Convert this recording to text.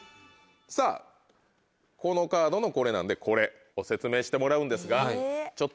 さぁこのカードのこれなんでこれを説明してもらうんですが。